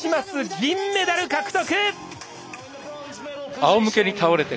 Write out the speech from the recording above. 銀メダル獲得！